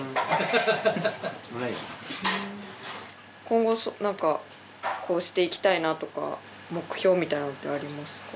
今後なんかこうしていきたいなとか目標みたいなのってありますか？